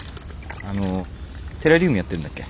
あのテラリウムやってるんだっけ？